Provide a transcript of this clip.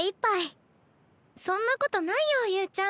そんなことないよ侑ちゃん。